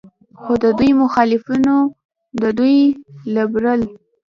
خو د دوي مخالفينو د دوي د لبرل